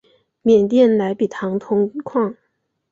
缅甸莱比塘铜矿。